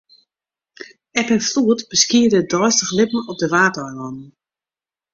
Eb en floed beskiede it deistich libben op de Waadeilannen.